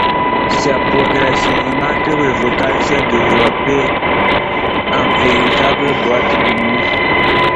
C'est progressivement que le local s'est développé en véritable boîte de nuit.